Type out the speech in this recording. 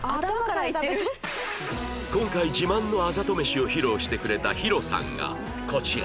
今回自慢のあざと飯を披露してくれたヒロさんがこちら